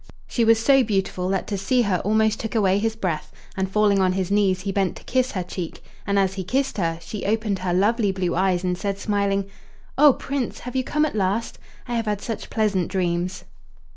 She was so beautiful that to see her almost took away his breath; and, falling on his knees, he bent to kiss her cheek. And as he kissed her, she opened her lovely blue eyes and said, smiling: "Oh! Prince, have you come at last? I have had such pleasant dreams."